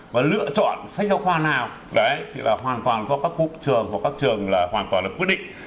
và lựa chọn sách giáo khoa nào thì là hoàn toàn do các trường hoàn toàn được quyết định